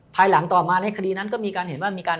ภายหลังต่อมาในคดีนั้นก็มีการเห็นว่ามีการ